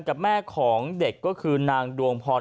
กับแม่ของเด็กก็คือนางดวงพร